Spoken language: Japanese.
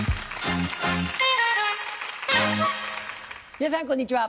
皆さんこんにちは。